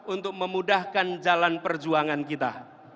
untuk memudahkan jalan perjuangan kita